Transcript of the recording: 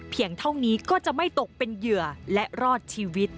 เท่านี้ก็จะไม่ตกเป็นเหยื่อและรอดชีวิต